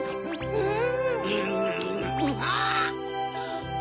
うん！